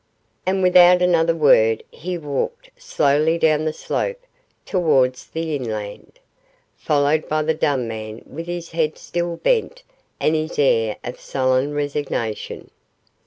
And without another word he walked slowly down the slope towards the inland, followed by the dumb man with his head still bent and his air of sullen resignation.